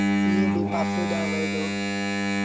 ائيٚݩ ٻي پآسي ڏآنهن وهيݩ دآ۔